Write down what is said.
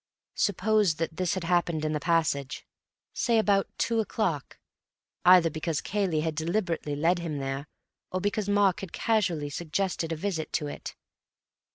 Suppose that this had happened in the passage, say about two o'clock, either because Cayley had deliberately led him there, or because Mark had casually suggested a visit to it.